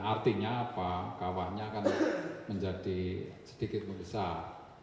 artinya apa kawahnya akan menjadi sedikit membesar